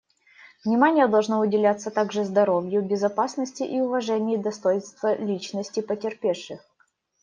Внимание должно уделяться также здоровью, безопасности и уважению достоинства личности потерпевших.